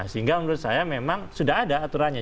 sehingga menurut saya memang sudah ada aturannya